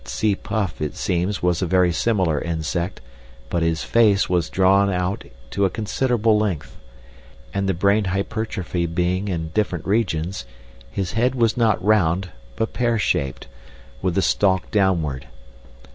Tsi puff it seems was a very similar insect, but his "face" was drawn out to a considerable length, and the brain hypertrophy being in different regions, his head was not round but pear shaped, with the stalk downward.